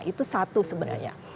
itu satu sebenarnya